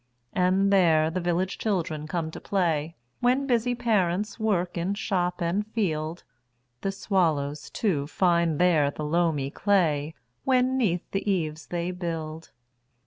And there the village children come to play, When busy parents work in shop and field. The swallows, too, find there the loamy clayWhen 'neath the eaves they build.